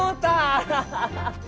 アハハハ！